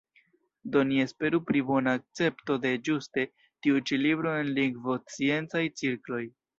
Do ni esperu pri bona akcepto de ĝuste tiu ĉi libro en lingvosciencaj cirkloj.